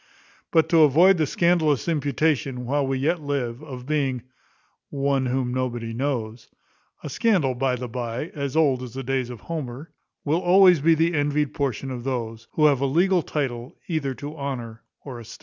But to avoid the scandalous imputation, while we yet live, of being one whom nobody knows (a scandal, by the bye, as old as the days of Homer[*]) will always be the envied portion of those, who have a legal title either to honour or estate.